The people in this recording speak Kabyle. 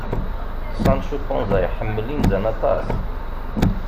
Sancu Panza iḥemmel inzan aṭas.